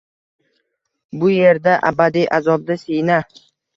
Bu yerda abadiy azobda siyna